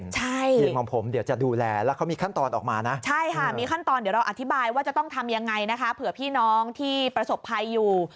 ใช่ใช่ค่ะมีขั้นตอนเดี๋ยวเราอธิบายว่าจะต้องทำยังไงนะคะเผื่อพี่น้องที่ประสบภัยอยู่